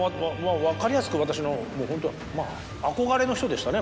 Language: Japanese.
分かりやすく私のホント憧れの人でしたね